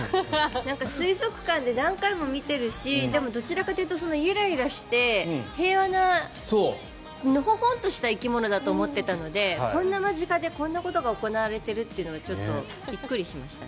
水族館で何回も見ているしどちらかというと、ゆらゆらして平和な、のほほんとした生き物だと思っていたので間近でこんなことが行われているとはびっくりしました。